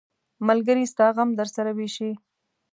ملګری ستا غم درسره ویشي.